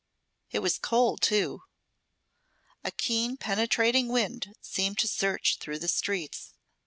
It was cold, too. A keen, penetrating wind seemed to search through the streets.